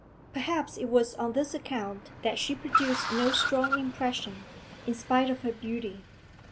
Perhaps it was on this account that she produced no strong impression, in spite of her beauty.